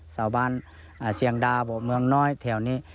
ชาวบ้านเชียงดาวบอกเมืองน้อยแถวนี้